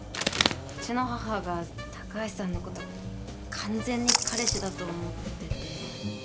うちの母が高橋さんのこと完全に彼氏だと思ってて。